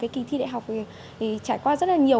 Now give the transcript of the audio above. kỳ thi đại học trải qua rất là nhiều